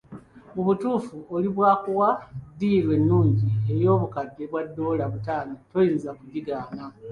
Mu butuufu oli bw'akuwa ddiiru ennungi ey'obukadde bwa ddoola butaano toyinza kugigaana.